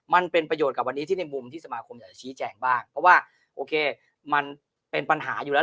มันเป็นประโยชน์กับวันนี้ที่ในมุมที่สมาคมอยากจะชี้แจงบ้างเพราะว่าโอเคมันเป็นปัญหาอยู่แล้ว